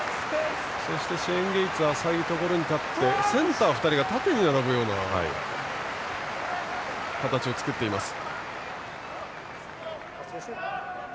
シェーン・ゲイツは浅いところに立ってセンター２人が縦に並ぶような形作っています。